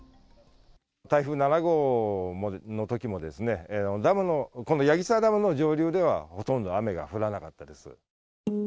台風７号のときもですね、この矢木沢ダムの上流ではほとんど雨が降らなかったです。